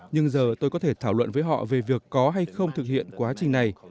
nhưng giờ tôi có thể thảo luận với họ về việc có hay không thực hiện quá trình này